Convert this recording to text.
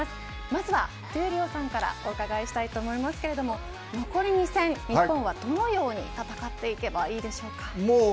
まずは闘莉王さんからお伺いしたいと思いますけれども残り２戦、日本はどのように戦っていけばいいでしょうか。